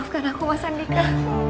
maafkan aku mas andika